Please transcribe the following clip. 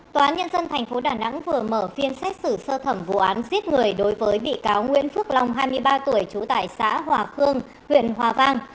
tòa nhân dân tp đà nẵng vừa mở phiên xét xử sơ thẩm vụ án giết người đối với bị cáo nguyễn phước long hai mươi ba tuổi trú tại xã hòa khương huyện hòa vang